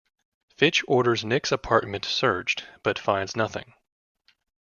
Fitch orders Nick's apartment searched, but finds nothing.